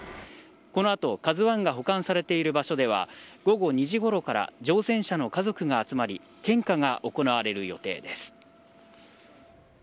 この後、「ＫＡＺＵ１」が保管されてる場所には午後２時ごろから乗船者の家族が集まり献花が行われる予定です。